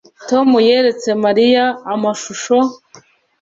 Tom yeretse Mariya amashusho